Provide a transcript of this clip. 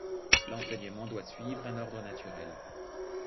L'enseignement doit suivre un ordre naturel.